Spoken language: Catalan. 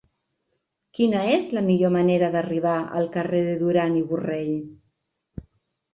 Quina és la millor manera d'arribar al carrer de Duran i Borrell?